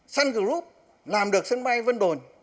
sun group làm được sân bay vân đồn